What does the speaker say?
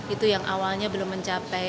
itu yang awalnya belum mencapai